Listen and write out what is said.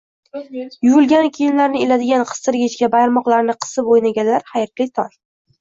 Yuvilgan kiyimlarni iladigan qistirgichga barmoqlarini qisib o'ynaganlar, xayrli tong!"